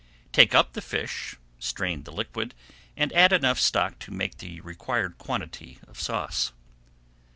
Take up the fish, strain the liquid, and add enough stock to make the required quantity of sauce.